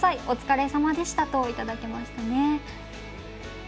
お疲れさまでした！といただきましたね。